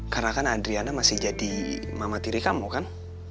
karena kan adriana masih jadi mama tiri kamu kan